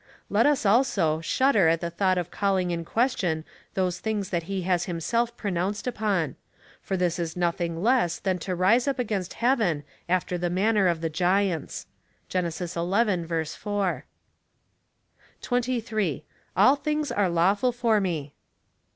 Let us, also, shudder at the thought of calling in question those things that he has himself pro nounced upon — for this is nothing less than to rise up against heaven after the manner of the giants.^ (Gen. xi. 4.) 23. All things are lawful for me.